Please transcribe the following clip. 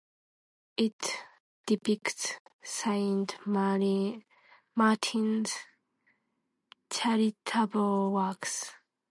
It depicts Saint Martin's charitable works.